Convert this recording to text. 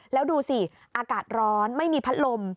แล้วดูสิอากาศร้อนไม่มีพัดลม